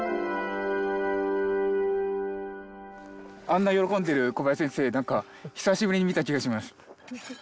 あんな喜んでる小林先生何か久しぶりに見た気がします。